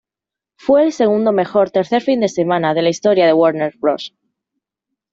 Fue el segundo mejor tercer fin de semana de la historia de Warner Bros.